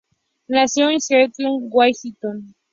Nacido en Seattle, Washington.